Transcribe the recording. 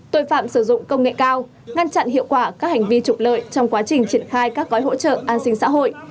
tội phạm sử dụng công nghệ cao ngăn chặn hiệu quả các hành vi trục lợi trong quá trình triển khai các gói hỗ trợ an sinh xã hội